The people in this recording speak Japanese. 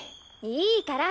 いいから。